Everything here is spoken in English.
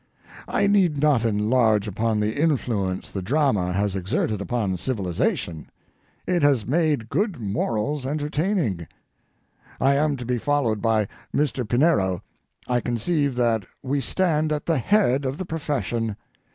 I need not enlarge upon the influence the drama has exerted upon civilization. It has made good morals entertaining. I am to be followed by Mr. Pinero. I conceive that we stand at the head of the profession.